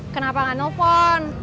kenapa gak nelfon